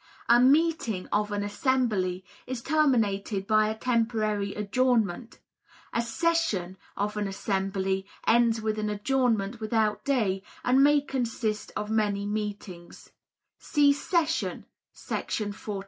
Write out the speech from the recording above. A "meeting" of an assembly is terminated by a temporary adjournment; a "session" of an assembly ends with an adjournment without day, and may consist of many meetings [see Session, § 42].